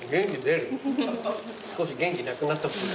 少し元気なくなってほしい。